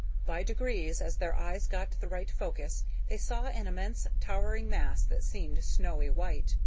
By degrees, as their eyes got the right focus, they saw an immense towering mass that seemed snowy white.